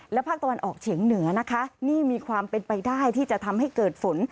และภาคตะวันออกเฉียงเหนือนะคะนี่มีความเป็นไปได้ที่จะทำให้เกิดฝน